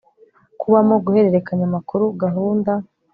kubamo guhererekanya amakuru gahunda